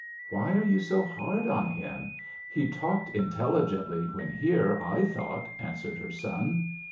"Why are you so hard on him? He talked intelligently when here, I thought," answered her son.